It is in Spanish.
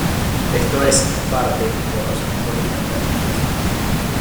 Esto es, en parte, por razones políticas prácticas.